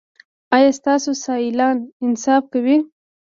ایا ستاسو سیالان انصاف کوي؟